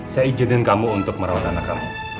saya izinkan kamu untuk merawat anak kamu